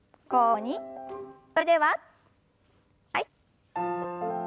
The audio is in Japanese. それでははい。